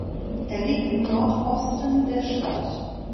Er liegt im Nordosten der Stadt.